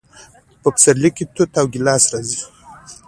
په پسرلي کې توت او ګیلاس راځي.